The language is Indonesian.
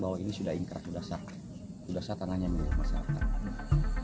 bahwa ini sudah ingkar sudah satan sudah satan hanya menurut masyarakat